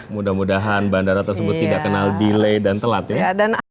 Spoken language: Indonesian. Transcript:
mudah mudahan bandara tersebut tidak kenal delay dan telat ya